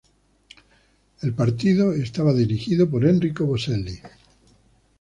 El partido estaba dirigido por Enrico Boselli.